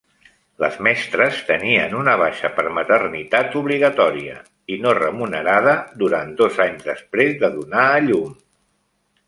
Les mestres tenien una baixa per maternitat obligatòria i no remunerada durant dos anys després de donar a llum.